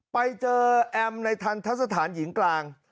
ไปเจอแอมในทันทะสถานหญิงกลาง